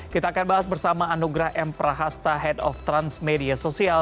kita akan bahas bersama anugrah m prahasta head of transmedia sosial